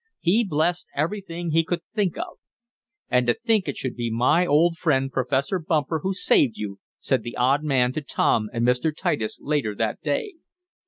He blessed everything he could think of. "And to think it should be my old friend, Professor Bumper, who saved you," said the odd man to Tom and Mr. Titus later that day.